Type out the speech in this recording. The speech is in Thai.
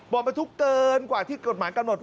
บอกมันทุกข์เกินกว่าที่กฎหมายกำหนด